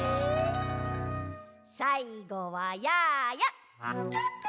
さいごはやーや。